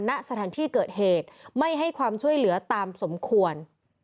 ณสถานที่เกิดเหตุไม่ให้ความช่วยเหลือตามสมควร